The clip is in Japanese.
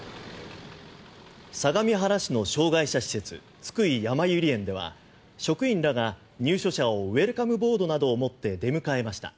相模原市の障害者施設津久井やまゆり園では職員らが入所者をウェルカムボードなどを持って出迎えました。